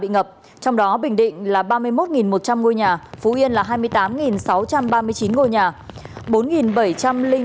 trong đó bình định là ba mươi một một trăm linh ngôi nhà phú yên là hai mươi tám sáu trăm ba mươi chín ngôi nhà